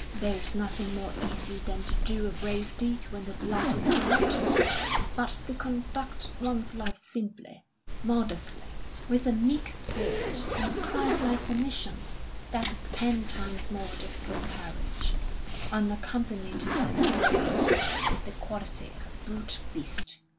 "There is nothing more easy than to do a brave deed when the blood is hot. But to conduct one's life simply, modestly, with a meek spirit and a Christ like submission, that is ten times more difficult Courage, unaccompanied by moral worth, is the quality of a brute beast."